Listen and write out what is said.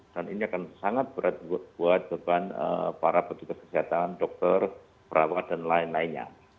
ini akan sangat berat buat beban para petugas kesehatan dokter perawat dan lain lainnya